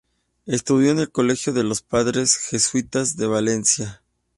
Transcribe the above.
Estudió en el colegio de los padres jesuitas de Valencia.